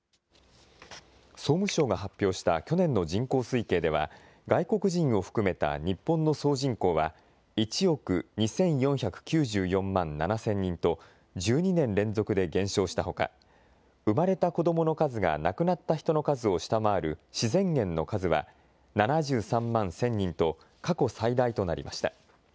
総務省が発表した去年の人口推計では外国人を含めた日本の総人口は１億２４９４万７０００人と１２年連続で減少したほか生まれた子どもの数が亡くなった人の数を下回る自然減の数は７３万１０００人と過去最大となりました。